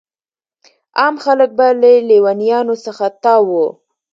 عام خلک به له لیونیانو څخه تاو وو.